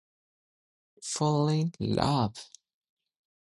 Some scenes were shot on and around the funicular Angels Flight on Third Street.